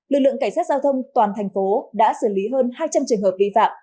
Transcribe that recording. lực lượng cảnh sát giao thông toàn thành phố đã xử lý hơn hai trăm linh trường hợp vi phạm